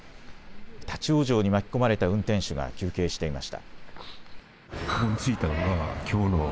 立往生に巻き込まれた運転手が休憩していました。